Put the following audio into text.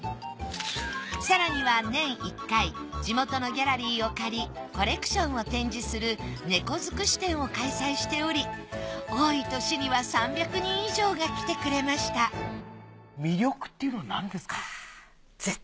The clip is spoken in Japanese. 更には年１回地元のギャラリーを借りコレクションを展示する猫づくし展を開催しており多い年には３００人以上が来てくれました魅力っていうのは何ですか？